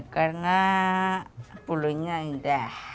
karena bulunya indah